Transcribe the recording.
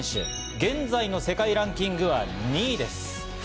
現在の世界ランキングは２位です。